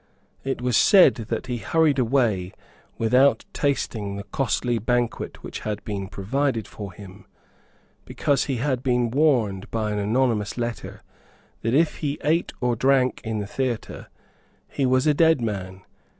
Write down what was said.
It was said that he hurried away without tasting the costly banquet which had been provided for him, because he had been warned by an anonymous letter, that, if he ate or drank in the theatre, he was a dead man.